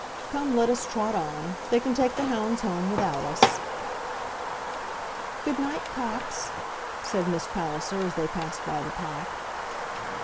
Come, let us trot on. They can take the hounds home without us." "Good night, Cox," said Miss Palliser, as they passed by the pack.